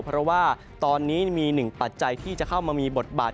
เพราะว่าตอนนี้มีหนึ่งปัจจัยที่จะเข้ามามีบทบาท